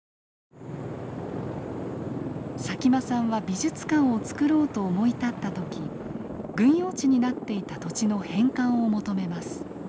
佐喜眞さんは美術館をつくろうと思い立った時軍用地になっていた土地の返還を求めます。